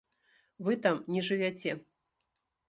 Вы там не жывяце.